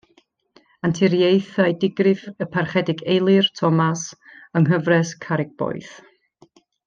Anturiaethau digrif y Parchedig Eilir Thomas, yng Nghyfres Carreg Boeth.